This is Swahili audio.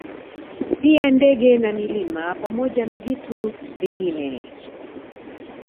Pia ndege na milima pamoja na vitu vingine